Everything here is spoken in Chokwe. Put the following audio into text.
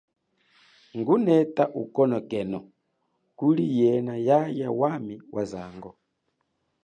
Nguneta ukonekeno kuli yena yaya wami wazango.